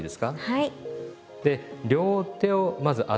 はい。